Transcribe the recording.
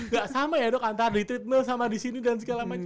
ga sama ya dok antara di treadmill sama disini dan segala macem